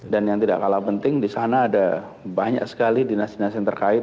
dan yang tidak kalah penting di sana ada banyak sekali dinas dinas yang terkait